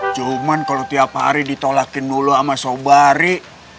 cuman kalau tiap hari ditolakin lu lu sama sobari